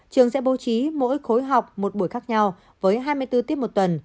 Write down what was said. trường sẽ bố trí mỗi khối học một buổi khác nhau với hai mươi bốn tiết một tuần